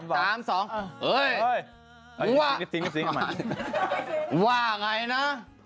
ว้าอย่างไรนะ